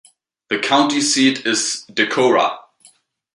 The county seat is Decorah.